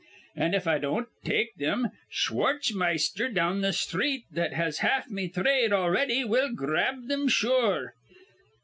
An', if I don't take thim, Schwartzmeister down th' sthreet, that has half me thrade already, will grab thim sure.